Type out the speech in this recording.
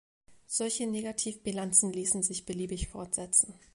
Solche Negativbilanzen ließen sich beliebig fortsetzen.